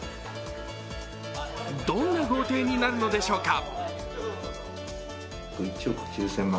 どんな豪邸になるのでしょうか。